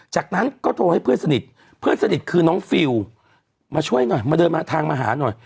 จากนั้นก็โทรให้เพื่อนสนิทเพื่อนสนิทคือน้องฟิลมาช่วยหน่อยมาเดินมาทางมาหาหน่อย